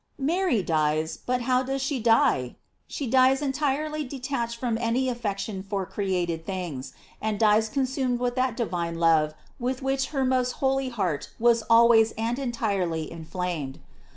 MARY dies; but how does she die? She dies entirely detached from any affection for created things, and dies consumed with that di vine love with which her most holy heart was always and entirely inflamed.